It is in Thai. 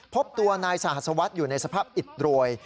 พบตัวนายสหัสวัสดิ์อยู่ในสภาพอิดโรย